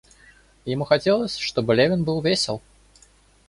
Ему хотелось, чтобы Левин был весел.